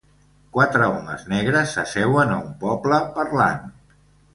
Quatre homes negres s'asseuen a un poble, parlant.